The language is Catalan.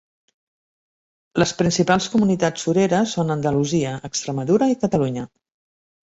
Les principals comunitats sureres són Andalusia, Extremadura i Catalunya.